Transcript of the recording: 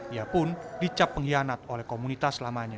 ia pun dicap pengkhianat oleh komunitas lamanya